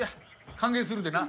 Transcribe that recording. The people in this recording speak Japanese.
歓迎するでな。